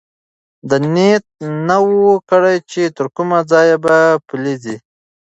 ده نیت نه و کړی چې تر کومه ځایه به پلی ځي.